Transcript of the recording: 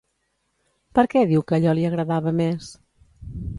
Per què diu que allò li agradava més?